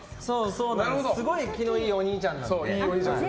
すごい気のいいお兄ちゃんで。